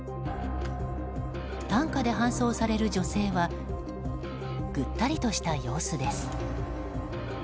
担架で搬送される女性はぐったりとした様子です。